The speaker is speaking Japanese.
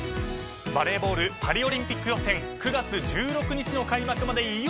バレーボールパリオリンピック予選９月１６日の開幕までいよいよ１カ月を切りました。